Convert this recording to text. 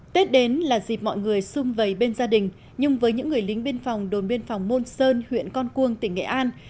tết đến là dịp mọi người xung vầy bên gia đình nhưng với những người lính biên phòng đồn biên phòng môn sơn huyện con cuông tỉnh nghệ an